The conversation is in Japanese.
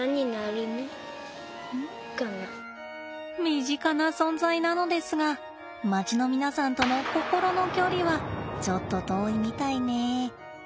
身近な存在なのですが街の皆さんとの心の距離はちょっと遠いみたいね。